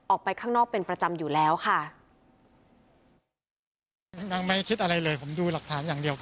ออกไปข้างนอกเป็นประจำอยู่แล้วค่ะ